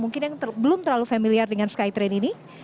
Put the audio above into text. mungkin yang belum terlalu familiar dengan sky train ini